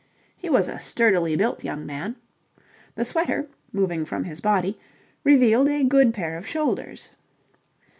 He was a sturdily built young man. The sweater, moving from his body, revealed a good pair of shoulders.